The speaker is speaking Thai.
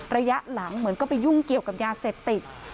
ระยะหลังเหมือนก็ไปยุ่งเกี่ยวกับยาเสพติด